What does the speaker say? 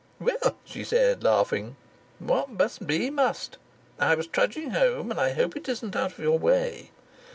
"Well," she said, laughing, "what must be, must. I was trudging home, and I hope it isn't out of your way."